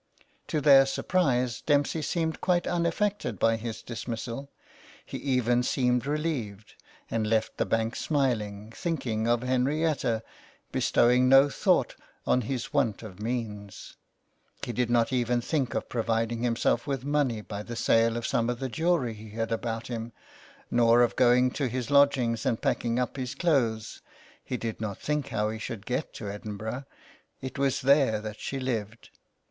To their surprise Dempsey seemed quite un affected by his dismissal ; he even seemed relieved, and left the bank smiling, thinking of Henrietta, bestowing no thought on his want of means. He did not even think of providing himself with money by the sale of some of the jewellery he had about him, nor of going to his lodging and packing up his clothes, he did not think how he should get to Edinburgh — it was there that she lived.